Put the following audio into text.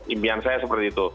impian saya seperti itu